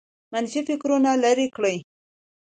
منفي فکرونه لرې کړئ